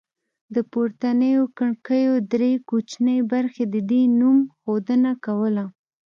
د پورتنیو کړکیو درې کوچنۍ برخې د دې نوم ښودنه کوله